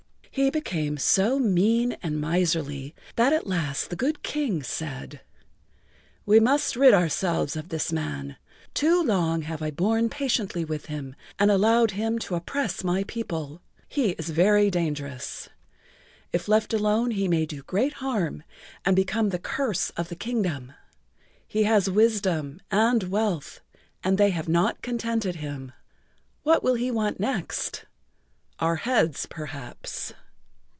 He became so mean and miserly that at last the good King said: "We must rid ourselves of this man. Too long have I borne patiently with him and allowed him to oppress my people. He is very dangerous. If left alone he may do great harm and become the curse of the Kingdom. He has wisdom and wealth and they have not contented him. What will he want next? Our heads, perhaps."